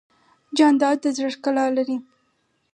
جانداد د زړه ښکلا لري.